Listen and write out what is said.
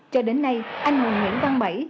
cho đến nay anh nguyễn văn bảy